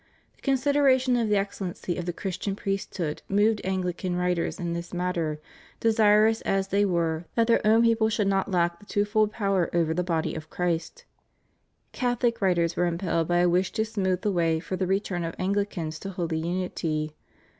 The consideration of the excellency of the Christian priesthood moved Anglican writers in this matter, de sirous as they were that their own people should not lack the twofold power over the body of Christ. Catholic writers were impelled by a wish to smooth the way for the return of Anglicans to holy unity.